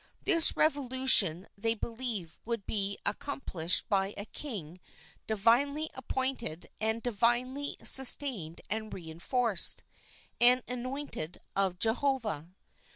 This revolution they believed would be accom ?s plished by a King divinely appointed and di Pl vinely sustained and reinforced an Anointed of Jehovah.